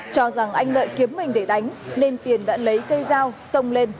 cho rằng anh lợi kiếm mình để đánh nên tiền đã lấy cây dao xông lên